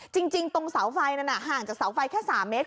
จริงตรงเสาไฟนั้นห่างจากเสาไฟแค่๓เมตร